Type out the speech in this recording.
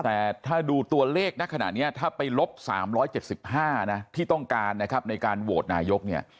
แต่ถ้าดูตัวเลขณขณะนี้ถ้าไปลบ๓๗๕นะที่ต้องการนะครับในการโหวตนายกเนี่ย